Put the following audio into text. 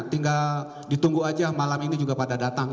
tinggal ditunggu aja malam ini juga pada datang